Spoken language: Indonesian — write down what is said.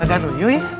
eh tadano yui